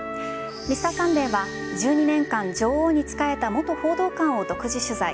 「Ｍｒ．サンデー」は１２年間女王に仕えた元報道官を独自取材。